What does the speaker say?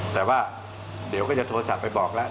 แต่ว่าเดี๋ยวก็จะโทรศัพท์ไปบอกแล้ว